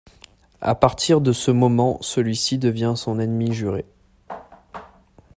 À partir de ce moment, celui-ci devient son ennemi juré.